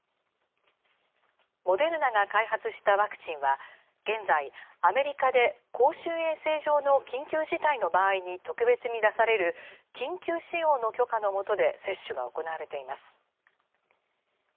モデルナが開発したワクチンは現在、アメリカで公衆衛生上の緊急事態の場合に特別に出される、緊急使用の許可の下で接種が行われています。